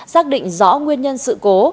xác định rõ nguyên nhân sự cố